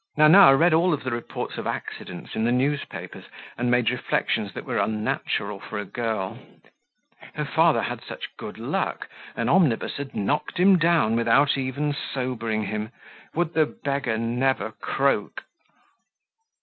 Nana read all of the reports of accidents in the newspapers, and made reflections that were unnatural for a girl. Her father had such good luck an omnibus had knocked him down without even sobering him. Would the beggar never croak?